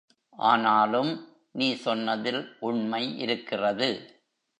ஆனாலும், நீ சொன்னதில் உண்மை இருக்கிறது.